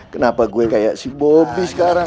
kenapa gue kayak si bobi sekarang